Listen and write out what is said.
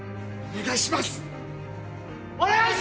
お願いします！